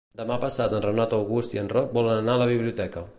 Demà passat en Renat August i en Roc volen anar a la biblioteca.